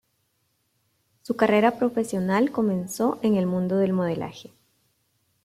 Su carrera profesional comenzó en el mundo del modelaje.